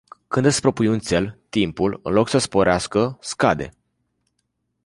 Când îți propui un țel, timpul, în loc să sporească, scade.